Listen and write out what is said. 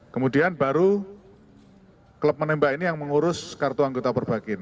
kemudian baru klub menembak ini yang mengurus kartu anggota perbakin